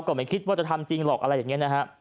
ไม่คิดว่าจะทำจริงหรอกอะไรอย่างนี้นะฮะ